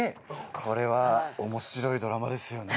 これは面白いドラマですよね。